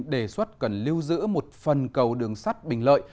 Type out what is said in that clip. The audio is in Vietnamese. đề xuất cần lưu giữ một phần cầu đường sắt bình lợi